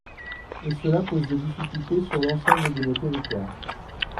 Et cela pose des difficultés sur l’ensemble de nos territoires.